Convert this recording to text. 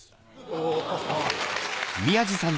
お。